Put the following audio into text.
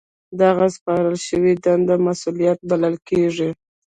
دغه سپارل شوې دنده مسؤلیت بلل کیږي.